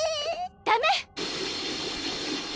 ダメ！